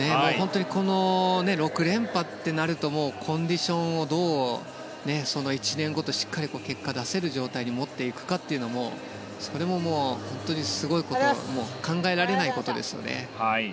６連覇となるとコンディションをどう１年後しっかりと結果を出せる状態に持っていくかというのもそれも本当に考えられないことですよね。